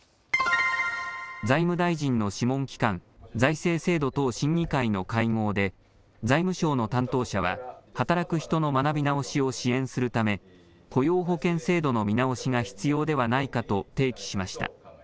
財務大臣の諮問機関、財政制度等審議会の会合で財務省の担当者は働く人の学び直しを支援するため雇用保険制度の見直しが必要ではないかと提起しました。